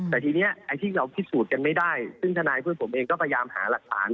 แต่ทีนี้ไอ้ที่เราพิสูจน์กันไม่ได้ซึ่งทนายเพื่อนผมเองก็พยายามหาหลักฐาน